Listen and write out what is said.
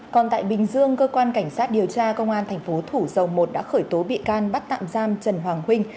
còn tại bình dương cơ quan cảnh sát điều tra công an thành phố thủ dầu một đã khởi tố bị can bắt tạm giam trần hoàng huynh